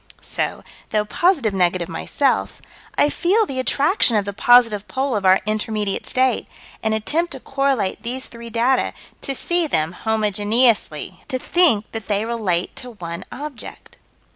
So, though positive negative, myself, I feel the attraction of the positive pole of our intermediate state, and attempt to correlate these three data: to see them homogeneously; to think that they relate to one object.